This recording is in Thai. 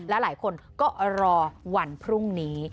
และหลายคนก็รอวันพรุ่งนี้